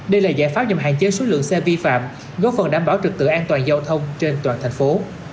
đây là giải pháp nhằm hạn chế số lượng xe vi phạm góp phần đảm bảo trực tự an toàn giao thông trên toàn thành phố